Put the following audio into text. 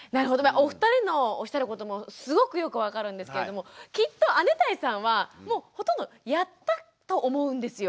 お二人のおっしゃることもすごくよく分かるんですけれどもきっと姉帶さんはもうほとんどやったと思うんですよ。